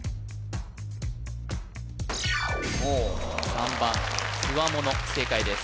３番つわもの正解です